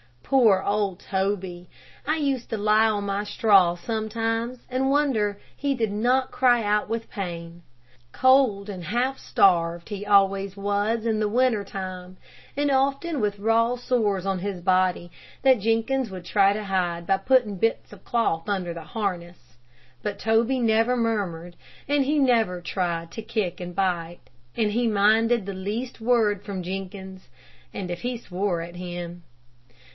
Poor old Toby! I used to lie on my straw sometimes and wonder he did not cry out with pain. Cold and half starved he always was in the winter time, and often with raw sores on his body that Jenkins would try to hide by putting bits of cloth under the harness. But Toby never murmured, and he never tried to kick and bite, and he minded the least word from Jenkins, and if he swore at him.